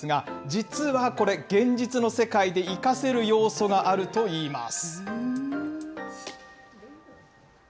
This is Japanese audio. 実はこれ、現実の世界で生かせる要素があるといいます。